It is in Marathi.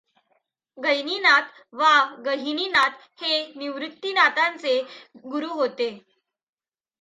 गैनीनाथ वा गहिनीनाथ हे निवृत्तिनाथांचे गुरू होते.